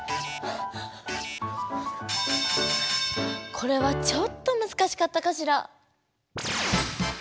これはちょっとむずかしかったかしら。